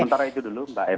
sementara itu dulu mbak eva